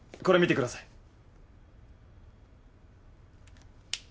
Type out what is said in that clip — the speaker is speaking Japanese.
これ見てください。